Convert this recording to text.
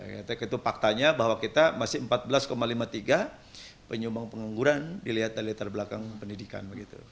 kita itu faktanya bahwa kita masih empat belas lima puluh tiga penyumbang pengangguran dilihat dari latar belakang pendidikan